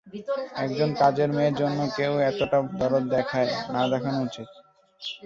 একজন কাজের মেয়ের জন্যে কেউ এতটা দরদ দেখায়, না দেখানো উচিত?